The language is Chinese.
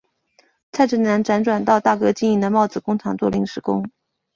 蔡振南辗转到大哥经营的帽子工厂做临时工。